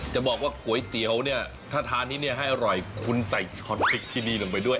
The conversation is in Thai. จะบอกว่าก๋วยเตี๋ยวเนี่ยถ้าทานที่นี่ให้อร่อยคุณใส่สคอนพริกที่นี่ลงไปด้วย